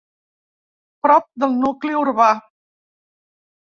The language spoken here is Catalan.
Prop del nucli urbà.